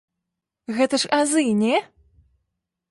Гэта ж азы, не?